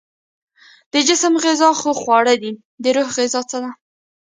د جسم غذا خو خواړه دي، د روح غذا څه ده؟